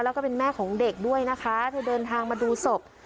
แล้วก็เป็นแม่ของเด็กด้วยนะคะเธอเดินทางมาดูศพ